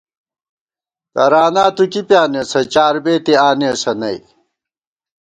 ترانا تُو کی پیانېسہ چاربېتی آنېسہ نئ